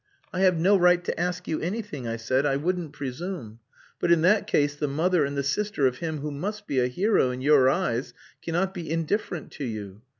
"I have no right to ask you anything," I said. "I wouldn't presume. But in that case the mother and the sister of him who must be a hero in your eyes cannot be indifferent to you.